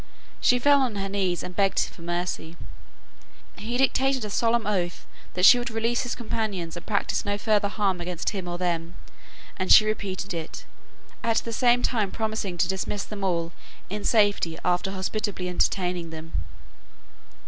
She fell on her knees and begged for mercy. He dictated a solemn oath that she would release his companions and practise no further harm against him or them; and she repeated it, at the same time promising to dismiss them all in safety after hospitably entertaining them.